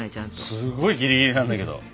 すごいギリギリなんだけど。